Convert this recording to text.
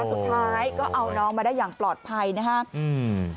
สุดท้ายก็เอาน้องมาได้อย่างปลอดภัยนะครับอืม